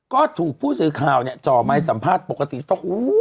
ก็ถูกผู้สื่อข่าวเนี่ยจ่อไม้สัมภาษณ์ปกติจะต้อง